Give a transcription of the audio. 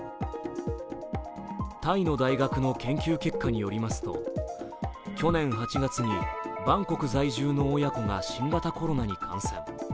タイの大学の研究結果によりますと、去年８月にバンコク在住の親子が新型コロナに感染。